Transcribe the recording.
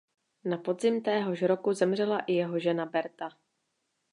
Na podzim téhož roku zemřela i jeho žena Berta.